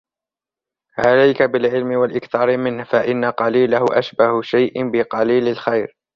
عَلَيْك بِالْعِلْمِ وَالْإِكْثَارِ مِنْهُ فَإِنَّ قَلِيلَهُ أَشْبَهُ شَيْءٍ بِقَلِيلِ الْخَيْرِ